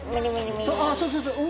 あそうそうそう！